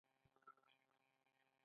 د مڼې ګل د څه لپاره وکاروم؟